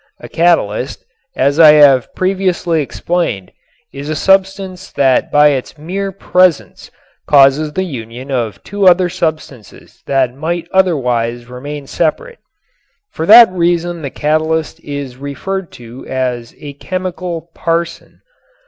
A catalyst, as I have previously explained, is a substance that by its mere presence causes the union of two other substances that might otherwise remain separate. For that reason the catalyst is referred to as "a chemical parson."